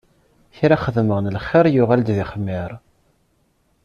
Kra xedmeɣ n lxiṛ, yuɣal-d d ixmiṛ.